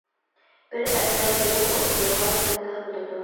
بىر ئەسەر مىڭ ئوبزورغا پىلتا بولىدۇ.